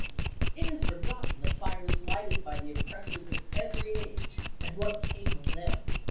It has forgotten the fires lighted by the oppres sors of every age, and what came of them.